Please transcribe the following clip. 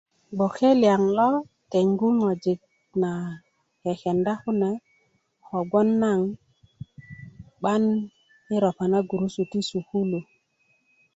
gboke liyaŋ lo tengu ŋwajik na kekenda kune kogwon naŋ 'ban i ropa na gurusu ti sukulu